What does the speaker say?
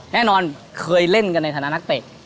แน่นอนเคยเล่นกันในฐานะนักเตะ